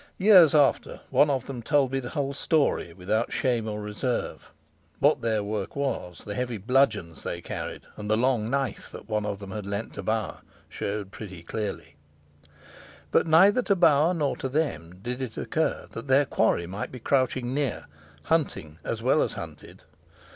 Years after, one of them told me the whole story without shame or reserve. What their work was, the heavy bludgeons they carried and the long knife that one of them had lent to Bauer showed pretty clearly. But neither to Bauer nor to them did it occur that their quarry might be crouching near, hunting as well as hunted.